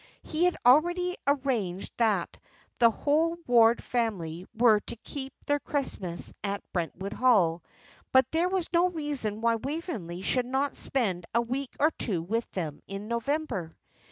He had already arranged that the whole Ward family were to keep their Christmas at Brentwood Hall; but there was no reason why Waveney should not spend a week or two with them in November.